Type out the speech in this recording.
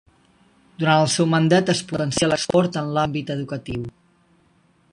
Durant el seu mandat es potencià l'esport en l'àmbit educatiu.